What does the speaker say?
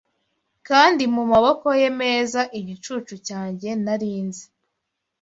Kandi mumaboko ye meza Igicucu cyanjye nari nzi